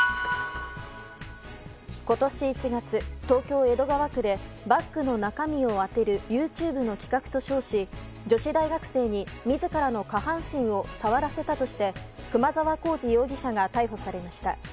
今年１月、東京・江戸川区でバッグの中身を空けるＹｏｕＴｕｂｅの企画と称し女子大学生に自らの下半身を触らせたとして熊沢弘次容疑者が逮捕されました。